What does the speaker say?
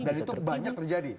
dan itu banyak terjadi